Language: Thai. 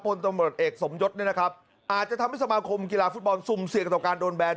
ตำรวจเอกสมยศเนี่ยนะครับอาจจะทำให้สมาคมกีฬาฟุตบอลซุ่มเสี่ยงต่อการโดนแบน